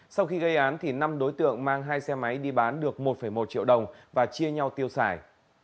sau khi gây án thì năm đối tượng mang hai xe máy đi bán được một một triệu đồng và chia nhau tiêu xài